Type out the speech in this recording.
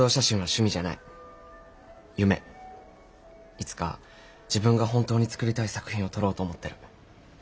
いつか自分が本当に作りたい作品を撮ろうと思ってる。